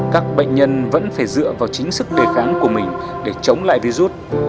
các bệnh nhân vẫn phải dựa vào chính sức đề kháng của mình để chống lại virus